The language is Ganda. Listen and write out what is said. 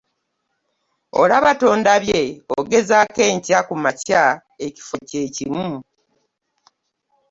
Olaba tondabye ogezaako enkya ku makya ekifo kye kimu.